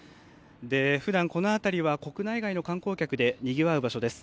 ふだん、この辺りは国内外の観光客でにぎわう場所です。